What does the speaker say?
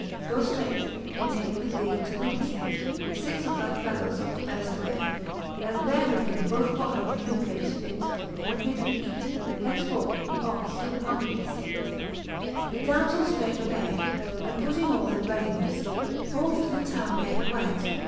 Goe ftreight, and take with thee, to withefle it, Sixe of thy fellowes of the befl aray, And beare with you both wine and juncates fit. And bid him eate : henceforth he oft fhall hungry fit. L. The damzell flreight obayd, and putting all In readinefic, forth to the town gate went.